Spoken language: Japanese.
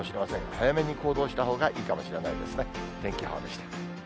早めに行動したほうがいいかもしれないですね。